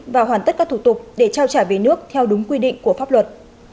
và hoàn tất các thủ tục để trao trả về nước theo đúng quy định của pháp luật